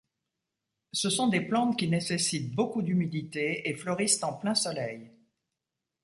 Ce sont des plantes qui nécessitent beaucoup d'humidité, et fleurissent en plein soleil.